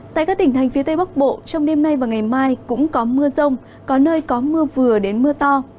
tại các tỉnh thành phía tây bắc bộ trong đêm nay và ngày mai cũng có mưa rông có nơi có mưa vừa đến mưa to